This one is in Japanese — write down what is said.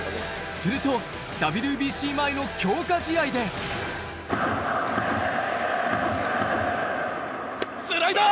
するとＷＢＣ前の強化試合でスライダー！